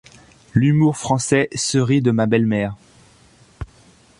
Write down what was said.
L'humour français se rit de ma belle-mère.